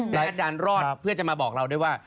และอาจารย์รอดเพื่อจะมาบอกเราด้วยว่า